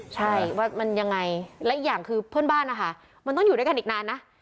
ใช่ว่ามันยังไงและอีกอย่างคือเพื่อนบ้านนะคะมันต้องอยู่ด้วยกันอีกนานนะ